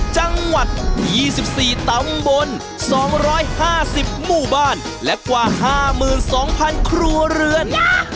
จังหวัด๒๔ตำบล๒๕๐หมู่บ้านและกว่า๕๒๐๐๐ครัวเรือน